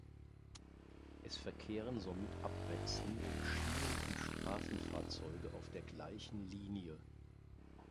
Es verkehren somit abwechselnd Schienen- und Straßenfahrzeuge auf der gleichen Linie.